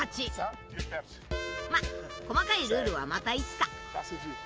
まっ細かいルールはまたいつか。